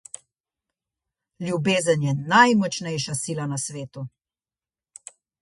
Ljubezen je najmočnejša sila na svetu.